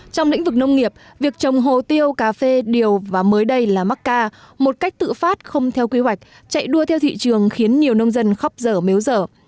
trong lĩnh vực nông nghiệp việc trồng hồ tiêu cà phê điều và mới đây là mắc ca một cách tự phát không theo quy hoạch chạy đua theo thị trường khiến nhiều nông dân khóc dở mếu dở